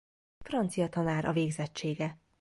Francia tanár a végzettsége.